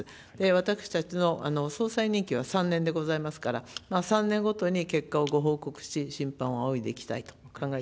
私たちの総裁任期は３年でございますから、３年ごとに結果をご報告し、審判を仰いでいきたいと考